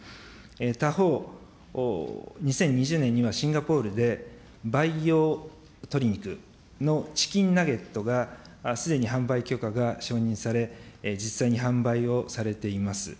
他方、２０２０年にはシンガポールで、培養鶏肉のチキンナゲットがすでに販売許可が承認され、実際に販売をされています。